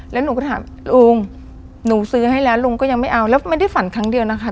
แล้วหนูก็ถามลุงหนูซื้อให้แล้วลุงก็ยังไม่เอาแล้วไม่ได้ฝันครั้งเดียวนะคะ